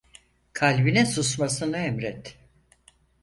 Kalbine susmasını emret…